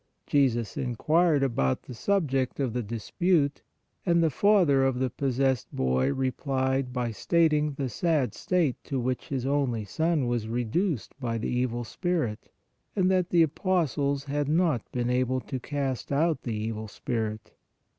Jesus inquired about the subject of the 102 PRAYER dispute and the father of the possessed boy replied by stating the sad state to which his only son was reduced by the evil spirit, and that the apostles had not been able to cast out the evil spirit.